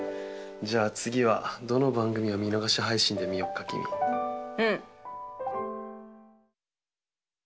じゃあ次はどの番組を見逃し配信で見よっかキミ。